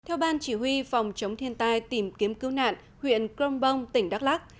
theo ban chỉ huy phòng chống thiên tai tìm kiếm cứu nạn huyện cronbong tỉnh đắk lắc